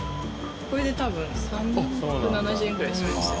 海譴蚤進３７０円ぐらいするんですよ。